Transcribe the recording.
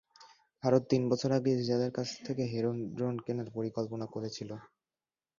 ভারত তিন বছর আগে ইসরায়েলের কাছে থেকে হেরন ড্রোন কেনার পরিকল্পনা করেছিল।